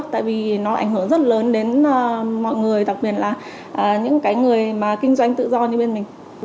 tại vì nó ảnh hưởng rất lớn đến mọi người đặc biệt là những cái người mà kinh doanh tự do như bên mình